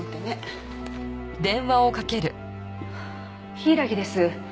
柊です。